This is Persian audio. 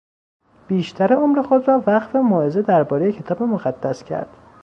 بیشتر عمر خود را وقف موعظه دربارهی کتاب مقدس کرد.